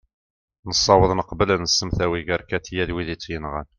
nessaweḍ neqbel ad nsemtawi gar katia d wid i tt-yenɣan